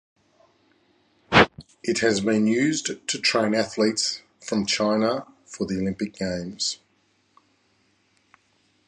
It has been used to train athletes from China for the Olympic games.